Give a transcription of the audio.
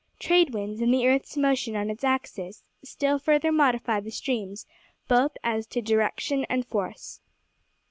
Trade winds, and the earth's motion on its axis, still further modify the streams, both as to direction and force.